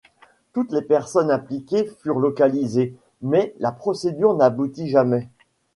Toutes les personnes impliquées furent localisées, mais la procédure n'aboutit jamais.